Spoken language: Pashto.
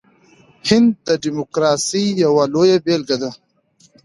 هند د ډیموکراسۍ یوه لویه بیلګه ده.